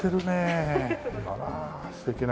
あら素敵な。